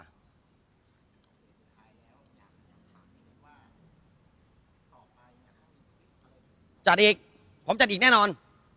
เหมือนว่าอีกถึงต่อไปจัดอีกผมจะดีแน่นอน